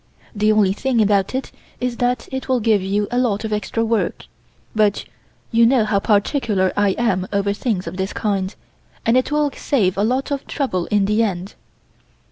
The only thing about it is that it will give you a lot of extra work, but you know how particular I am over things of this kind, and it will save a lot of trouble in the end.